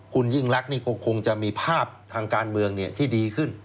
คุณยิ่งรักนี่ก็คงจะมีภาพทางการเมืองที่ดีขึ้น